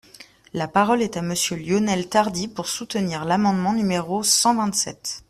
La parole est à Monsieur Lionel Tardy, pour soutenir l’amendement numéro cent vingt-sept.